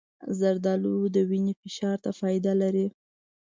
زردالو د وینې فشار ته فایده لري.